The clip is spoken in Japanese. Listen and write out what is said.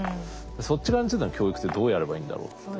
そっち側についての教育ってどうやればいいんだろうって。